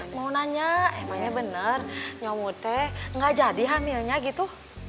mau nanya emangnya bener nyomud teh gak jadi hamilnya gitu